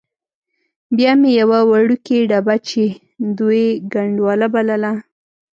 بیا مې یوه وړوکې ډبه چې دوی ګنډولا بلله.